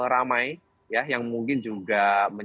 ramai yang mungkin juga